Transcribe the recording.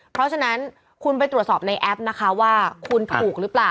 เพราะฉะนั้นคุณไปตรวจสอบในแอปนะคะว่าคุณถูกหรือเปล่า